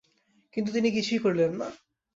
কিন্তু তিনি কিছুই করিলেন না।